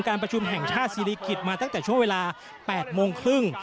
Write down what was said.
ประชุมแห่งชาติศิริกิจมาตั้งแต่ช่วงเวลา๘โมงครึ่ง